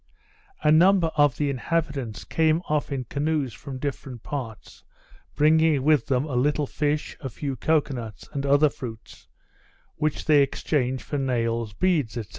A number of the inhabitants came off in canoes from different parts, bringing with them a little fish, a few cocoa nuts, and other fruits, which they exchanged for nails, beads, &c.